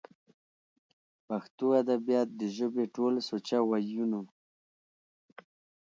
پښتو ادبيات د ژبې ټول سوچه وييونو